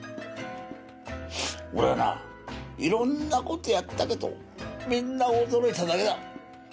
俺はないろんなことやったけどみんな驚いただけだ。